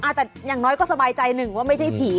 อ่ะแต่อย่างน้อยก็สบายใจนึงว่าไม่ใช่ผี